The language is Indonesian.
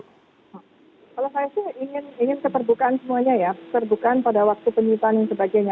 kalau saya sih ingin keterbukaan semuanya ya keterbukaan pada waktu penyitaan dan sebagainya